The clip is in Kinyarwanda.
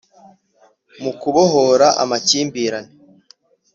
mu kubohora amakimbirane,